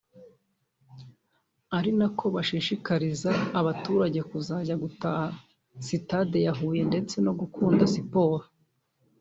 ari na ko bashishikariza abaturage kuza gutaha sitade Huye ndetse no gukunda siporo